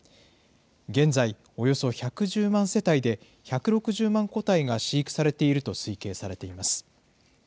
現在、およそ１１０万世帯で、１６０万個体が飼育されていると推計されています。